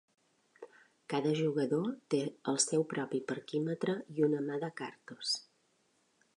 Cada jugador té el seu propi parquímetre i una mà de cartes.